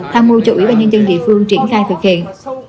tham mưu cho ủy ban nhân dân địa phương triển khai thực hiện